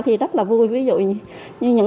thì rất là vui ví dụ như